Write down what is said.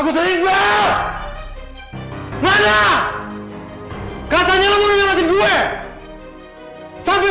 aku sering gua mana katanya lu mau nyamatin gue sampai sekarang gak ada pertolongan dari lo